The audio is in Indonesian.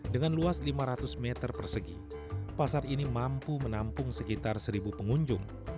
dengan luas lima ratus meter persegi pasar ini mampu menampung sekitar seribu pengunjung